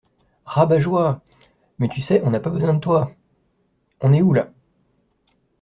Rabat-joie ! Mais tu sais, on n’a pas besoin de toi. On est où, là ?